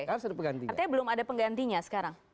artinya belum ada penggantinya sekarang